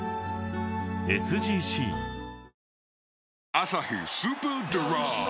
「アサヒスーパードライ」